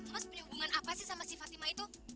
mas punya hubungan apa sih sama si fatima itu